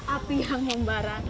api yang membara